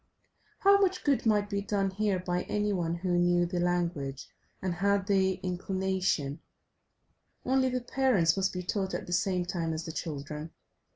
How much good might be done here by any one who knew the language and had the inclination, only the parents must be taught at the same time as the children.